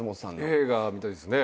映画見たいですね。